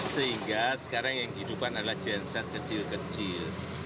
sehingga sekarang yang kehidupan adalah genset kecil kecil